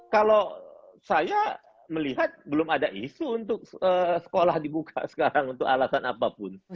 kalau saya melihat belum ada isu untuk sekolah dibuka sekarang untuk alasan apapun